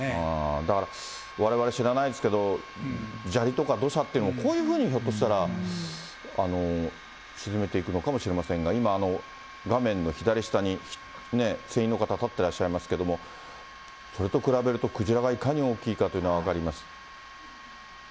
だから、われわれ知らないですけど、砂利とか土砂っていうのもこういうふうにひょっとしたら沈めていくのかもしれませんが、今、画面の左下に船員の方、立ってらっしゃいますけど、それと比べると、クジラがいかに大きいかというのが分かります。